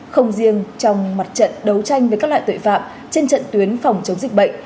không riêng trong mặt trận đấu tranh với các loại tội phạm trên trận tuyến phòng chống dịch bệnh